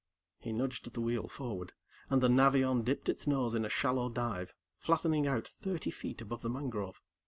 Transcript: He nudged the wheel forward, and the Navion dipped its nose in a shallow dive, flattening out thirty feet above the mangrove.